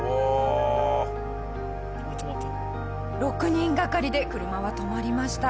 ６人がかりで車は止まりました。